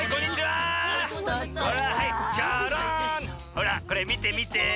ほらこれみてみて。